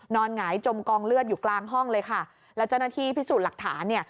หงายจมกองเลือดอยู่กลางห้องเลยค่ะแล้วเจ้าหน้าที่พิสูจน์หลักฐานเนี่ย